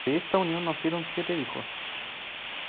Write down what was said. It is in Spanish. De esta unión, nacieron siete hijos.